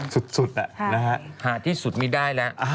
สุดหาที่สุดไม่ได้แล้ว